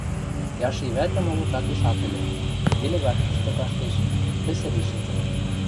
Яши вӓтӹ моло такеш ак ӹлӹ, делегаткышты каштеш, пӹсӹ лин шӹнзӹн.